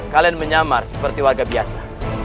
kalian menyamar seperti warga biasa